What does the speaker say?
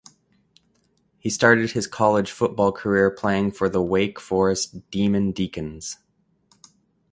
He started his college football career playing for the Wake Forest Demon Deacons.